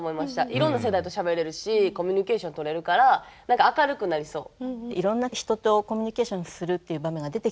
いろんな世代としゃべれるしコミュニケーションとれるから何か明るくなりそう。